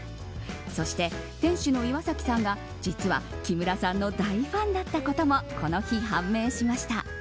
そして店主の岩崎さんが、実は木村さんの大ファンだったこともこの日、判明しました。